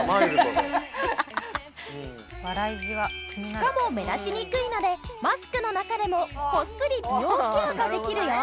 しかも目立ちにくいのでマスクの中でもこっそり美容ケアができるよ。